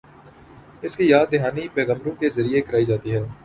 اس کی یاد دہانی پیغمبروں کے ذریعے کرائی جاتی ہے۔